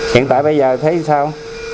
hiện tại bây giờ thấy sao